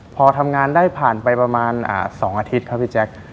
พอทำงานได้ผ่านไปประมาณ๒อาทิตย์ครับพี่แจ๊ค